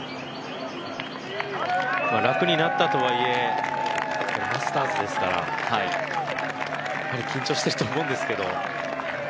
楽になったとはいえマスターズですからやっぱり緊張していると思うんですけれども。